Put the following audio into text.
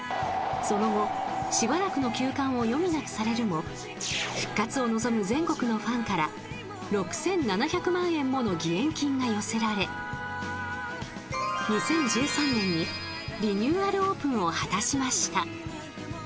その後、しばらくの休館を余儀なくされるも復活を望む全国のファンから６７００万円もの義援金が寄せられ２０１３年にリニューアルオープンを果たしました。